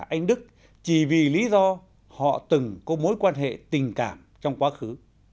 anh đức chỉ vì lý do họ từng có mối quan hệ tình cảm trong quá khứ